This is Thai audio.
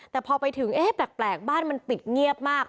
แต่พอไปถึงแปลกบ้านมันปิดเงียบมาก